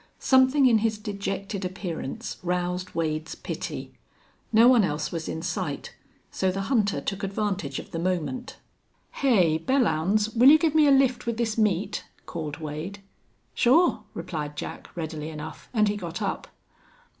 Something in his dejected appearance roused Wade's pity. No one else was in sight, so the hunter took advantage of the moment. "Hey, Belllounds, will you give me a lift with this meat?" called Wade. "Sure," replied Jack, readily enough, and he got up.